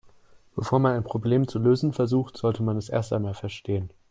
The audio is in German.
Bevor man ein Problem zu lösen versucht, sollte man es erst einmal verstehen.